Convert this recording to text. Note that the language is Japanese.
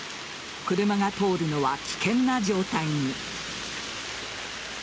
車が通るのは危険な状態に。